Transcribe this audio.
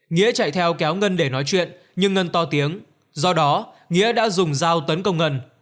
nghĩa chạy theo kéo ngân để nói chuyện nhưng ngân to tiếng do đó nghĩa đã dùng dao tấn công ngân